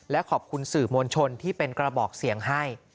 และขอบคุณสื่อมวลชนที่เป็นกระบอกเสียงให้